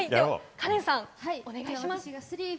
カレンさん、お願いします。